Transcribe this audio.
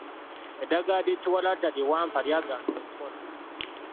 Eddagala ly’ekiwalaata lye wampa lyagaana okukola.